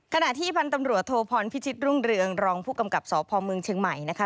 ขณะที่พันธ์ตำรวจโทพรพิชิตรุ่งเรืองรองผู้กำกับสพเมืองเชียงใหม่นะคะ